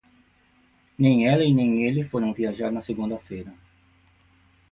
Nem ela e nem ele foram viajar na segunda-feira.